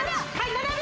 ７秒。